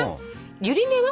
ゆり根は？